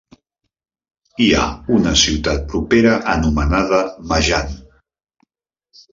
Hi ha una ciutat propera anomenada Majan.